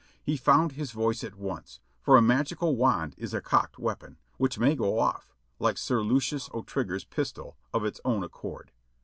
He found his voice at once, for a magical wand is a cocked weapon, which may go off, like Sir Lucius O'Trigger's pistol, of its own accord.